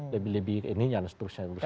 lebih lebih ini yang seterusnya